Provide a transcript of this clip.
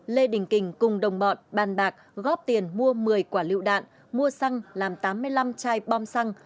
lê đình kình cùng đồng bọn bàn bạc góp tiền mua một mươi quả lựu đạn mua xăng làm tám mươi năm chai bom xăng